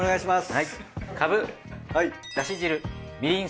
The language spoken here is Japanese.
はい。